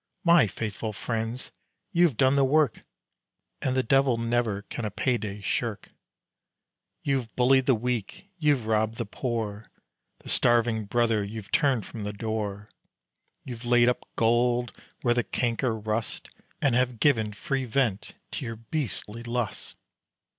"My faithful friends, you have done the work And the devil never can a payday shirk. "You've bullied the weak, you've robbed the poor; The starving brother you've turned from the door, You've laid up gold where the canker rust, And have given free vent to your beastly lust.